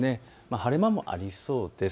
晴れ間もありそうです。